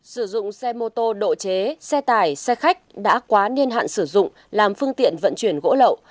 sử dụng xe mô tô độ chế xe tải xe khách đã quá niên hạn sử dụng làm phương tiện vận chuyển gỗ lậu